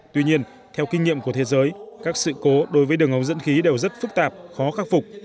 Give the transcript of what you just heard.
tuy nhiên theo kinh nghiệm của thế giới các sự cố đối với đường ống dẫn khí đều rất phức tạp khó khắc phục